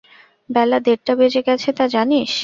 বেলা দেড়টা বেজে গেছে তা জানিস?